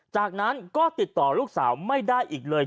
จากนั้นก็ติดต่อลูกสาวไม่ได้อีกเลย